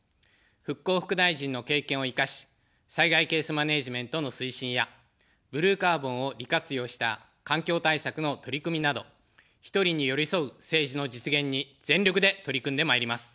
復興副大臣の経験を生かし、災害ケースマネジメントの推進や、ブルーカーボンを利活用した環境対策の取り組みなど、１人に寄り添う政治の実現に全力で取り組んでまいります。